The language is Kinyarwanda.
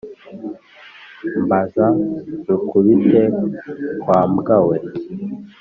mbaza ngukubite wa mbwa we